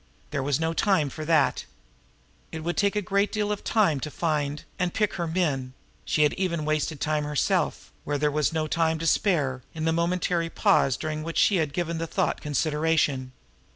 There was no time for that. It would take a great deal of time to find and pick her men; she had even wasted time herself, where there was no time to spare, in the momentary pause during which she had given the thought consideration.